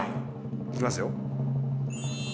行きますよ。